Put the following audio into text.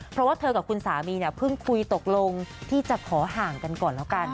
เพราะว่าเธอกับคุณสามีเนี่ยเพิ่งคุยตกลงที่จะขอห่างกันก่อนแล้วกัน